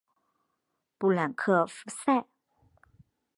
布朗克福塞。